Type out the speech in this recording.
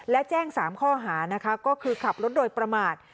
และแจ้ง๓ข้อหานะคะก็คือขับรถโดยประมาท